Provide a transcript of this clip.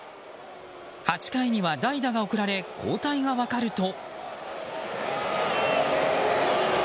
８回には代打が送られ交代が分かると。